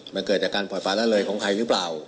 มันเกิดจากการปล่อยฟ้าละเลยของใครหรือเปล่า